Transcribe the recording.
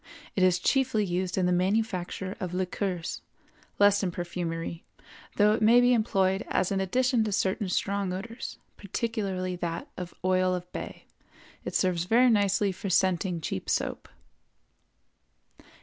It is chiefly used in the manufacture of liqueurs, less in perfumery, though it may be employed as an addition to certain strong odors, particularly that of oil of bay; it serves very nicely for scenting cheap soap.